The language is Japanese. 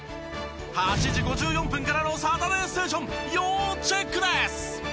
８時５４分からの『サタデーステーション』要チェックです！